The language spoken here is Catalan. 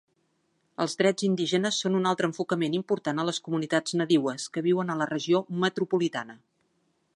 Els drets indígenes són un altre enfocament important a les comunitats nadiues que viuen a la regió metropolitana.